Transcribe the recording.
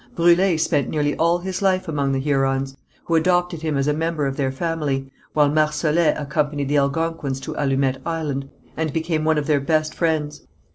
Brûlé spent nearly all his life among the Hurons, who adopted him as a member of their family, while Marsolet accompanied the Algonquins to Allumette Island, and became one of their best friends.